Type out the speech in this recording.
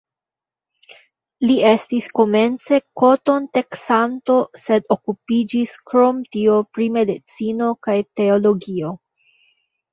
Li estis komence koton-teksanto, sed okupiĝis krom tio pri medicino kaj teologio.